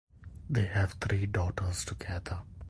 They have three daughters together.